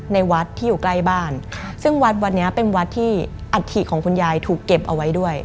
ในวัดที่อยู่ใกล้บ้านซึ่งวัดวัดเนี้ยเป็นวัดที่อัฐิของคุณยายถูกเก็บเอาไว้ด้วย